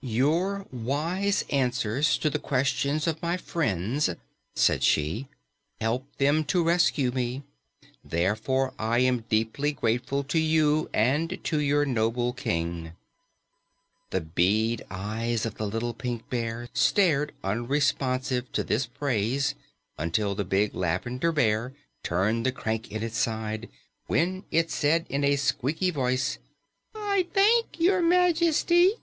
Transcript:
"Your wise answers to the questions of my friends," said she, "helped them to rescue me. Therefore I am deeply grateful to you and to your noble King." The bead eyes of the little Pink Bear stared unresponsive to this praise until the Big Lavender Bear turned the crank in its side, when it said in its squeaky voice, "I thank Your Majesty."